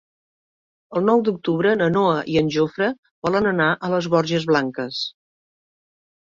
El nou d'octubre na Noa i en Jofre volen anar a les Borges Blanques.